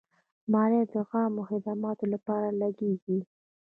مالیه د عامه خدماتو لپاره لګیږي.